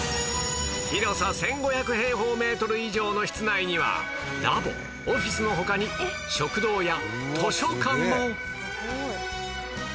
広さ１５００平方メートル以上の室内にはラボオフィスの他に食堂や図書館も